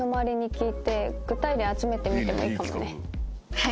はい。